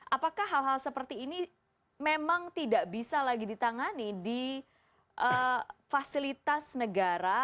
apakah hal hal seperti ini memang tidak bisa lagi ditangani di fasilitas negara